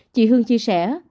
chị hương chia sẻ